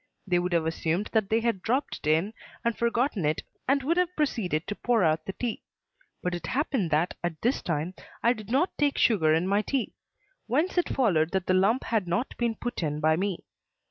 They would have assumed that they had dropped it in and forgotten it and would have proceeded to pour out the tea. But it happened that, at this time, I did not take sugar in my tea; whence it followed that the lump had not been put in by me.